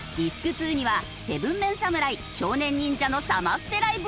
２には７ＭＥＮ侍少年忍者のサマステライブを収録！